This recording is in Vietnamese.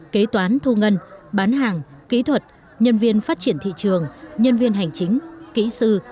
kế toán thu ngân bán hàng kỹ thuật nhân viên phát triển thị trường nhân viên hành chính kỹ sư